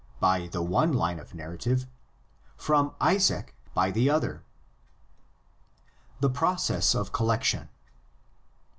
by the one line of narrative, from Isaac (xlvi. I 3) by the other. THE PROCESS OF COLLECTION.